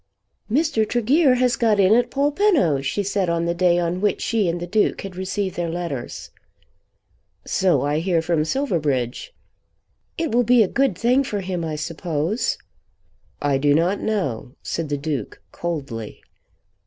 "Mr. Tregear has got in at Polpenno," she said on the day on which she and the Duke had received their letters. "So I hear from Silverbridge." "It will be a good thing for him, I suppose." "I do not know," said the Duke coldly.